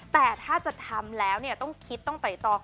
แต่ถ้าจะทำแล้วต้องคิดต้องไต่ตอง